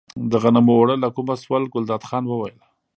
د غنمو اوړه له کومه شول، ګلداد خان وویل.